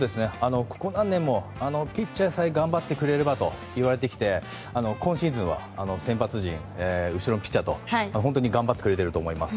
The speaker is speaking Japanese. ここ何年もピッチャーさえ頑張ってくれればと言われてきて今シーズンは先発陣、後ろのピッチャーと頑張ってくれていると思います。